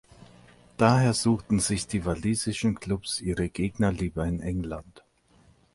Daher suchten sich die walisischen Clubs ihre Gegner lieber in England.